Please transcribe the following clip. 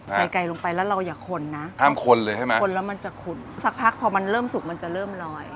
ใส่ไก่ลงไปแล้วเราอย่าขนนะขนแล้วมันจะขุนสักพักพอมันเริ่มสุกมันจะเริ่มลอย